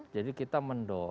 jadi kita mendekatkan